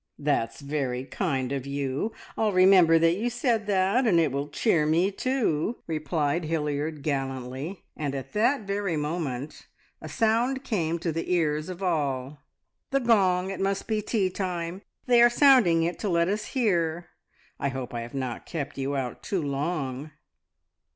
"That's very kind of you. I'll remember that you said that, and it will cheer me too," replied Hilliard gallantly, and at that very moment a sound came to the ears of all. "The gong! It must be tea time. They are sounding it to let us hear. I hope I have not kept you out too long."